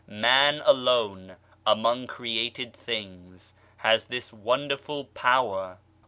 Man alone, 'among created beings, has this wonderful power.